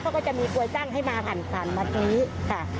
ไว้ก็จะมีปลวยตั้งให้มาผ่านมาตรงนี้ค่ะ